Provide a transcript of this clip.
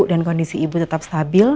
dan kondisi ibu tetap stabil